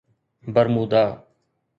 Bermuda